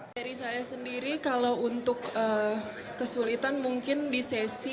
dari saya sendiri kalau untuk kesulitan mungkin di sesi